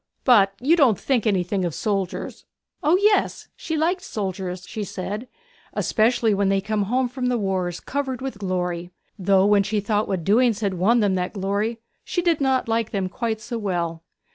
But you don't think anything of soldiers.' O yes, she liked soldiers, she said, especially when they came home from the wars, covered with glory; though when she thought what doings had won them that glory she did not like them quite so well.